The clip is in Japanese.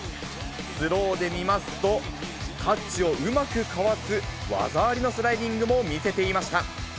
スローで見ますと、タッチをうまくかわす技ありのスライディングも見せていました。